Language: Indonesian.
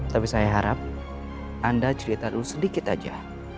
tapi saya harap anda cerita dulu sedikit aja